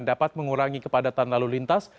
dapat mengurangi kepadatan lalu lintas